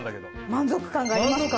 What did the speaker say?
満足感がありますか？